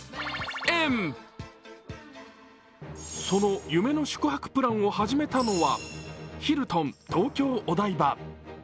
その夢の宿泊プランを始めたのはヒルトン東京お台場。